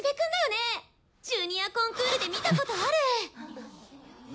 ジュニアコンクールで見たことある！